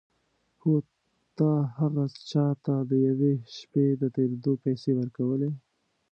هو تا هغه چا ته د یوې شپې د تېرېدو پيسې ورکولې.